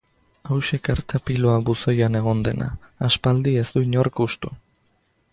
Hauxe karta piloa buzoian egon dena, aspaldi ez du inork hustu.